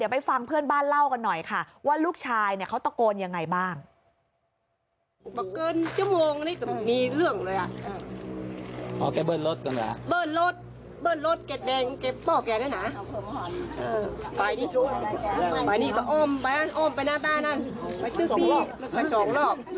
ก่อนเกินเหตุชั่วโมงหนึ่ง